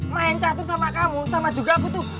main catur sama kamu sama juga aku tuh